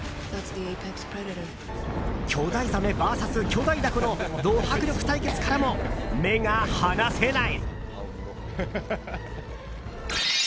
巨大ザメＶＳ巨大ダコのド迫力対決からも目が離せない！